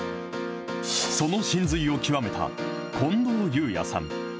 その神髄を究めた近藤佑哉さん。